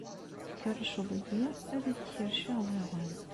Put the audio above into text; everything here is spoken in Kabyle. Ma tkerrceḍ-iyi, ad k-kerrceɣ daɣen.